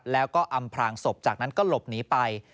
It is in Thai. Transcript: แล้วก็อำพลางศพจากนั้นก็หลบหนีไป